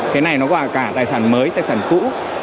cái này nó vào cả tài sản mới tài sản cũ